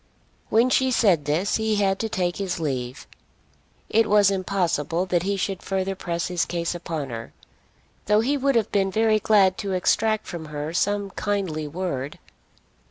When she said this he had to take his leave. It was impossible that he should further press his case upon her, though he would have been very glad to extract from her some kindly word.